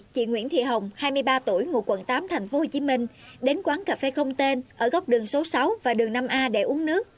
chị hồng hai mươi ba tuổi ngủ quận tám tp hcm đến quán cà phê không tên ở góc đường số sáu và đường năm a để uống nước